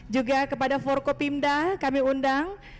juga kepada forkopimda kami undang